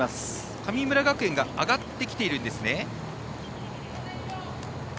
神村学園が上がってきているんですね。